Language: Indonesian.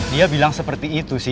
dia bilang seperti itu